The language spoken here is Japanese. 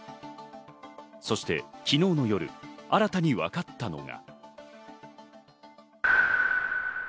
そして昨日の夜、新たに分かったのが。